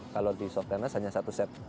kalau di soft tennis hanya satu set